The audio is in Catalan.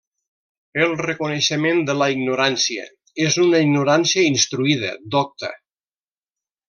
El reconeixement de la ignorància és una ignorància instruïda, docta.